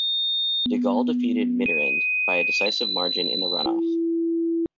De Gaulle defeated Mitterrand by a decisive margin in the runoff.